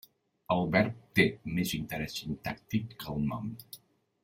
El verb té més interès sintàctic que el nom.